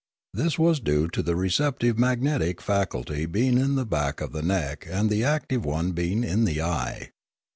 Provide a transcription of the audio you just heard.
This was due to the receptive mag netic faculty being in the back of the neck and the active one being in the eye.